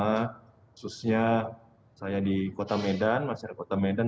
khususnya saya di kota medan masyarakat kota medan